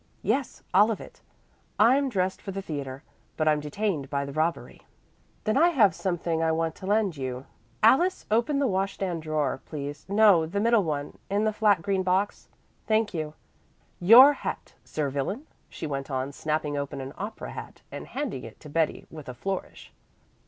"Yes, all of it. I'm dressed for the theatre, but I'm detained by the robbery." "Then I have something I want to lend you. Alice, open the washstand drawer, please no, the middle one in that flat green box. Thank you. Your hat, sir villain," she went on, snapping open an opera hat and handing it to Betty with a flourish.